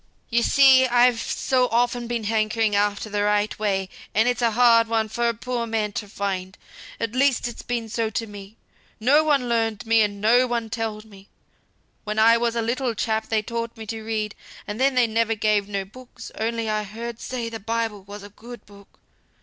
"You see I've so often been hankering after the right way; and it's a hard one for a poor man to find. At least it's been so to me. No one learned me, and no one telled me. When I was a little chap they taught me to read, and then they ne'er gave me no books; only I heard say the Bible was a good book.